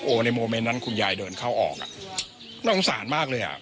ในโมเมนต์นั้นคุณยายเดินเข้าออกอ่ะน่าสงสารมากเลยอ่ะ